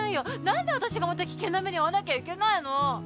なんで私がまた危険な目に遭わなきゃいけないの。